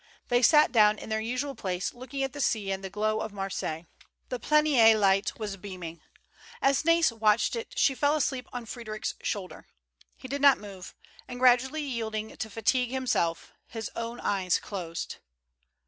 They sat down in their usual place, looking at the sea and the glow of Marseilles. The Planier light was beaming. As Nais watched it she fell asleep on Fr^d Eric's shoulder. He did not move, and gradually yield ing to fatigue himself, his own eyes closed.